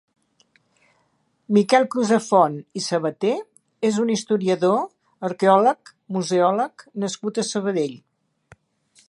Miquel Crusafont i Sabater és un historiador, arqueòleg, museòleg nascut a Sabadell.